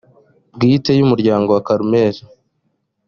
bwite y umuryango wa carmel